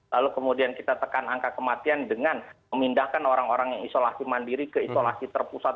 lalu kemudian kita tekan angka kematian dengan memindahkan orang orang yang isolasi mandiri ke isolasi terpusat